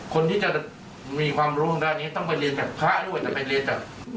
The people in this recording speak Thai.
คนที่จะมีความรู้ขึ้นด้านนี้ต้องไปเรียนแบบพระหรือว่าจะไปเรียนจาก